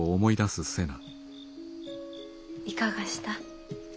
いかがした？